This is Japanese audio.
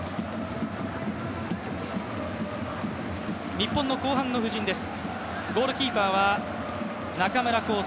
日本の後半の布陣です。